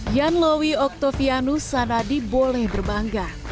yanloi octavianus sanadi boleh berbangga